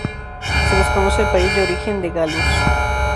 Se desconoce el país de origen de "Gallus".